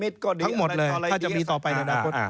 ทั้งหมดเลยถ้าจะมีต่อไปในอนาคต